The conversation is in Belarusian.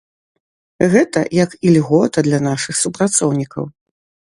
Гэта як ільгота для нашых супрацоўнікаў.